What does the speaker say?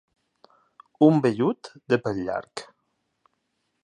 Un vellut de pèl llarg.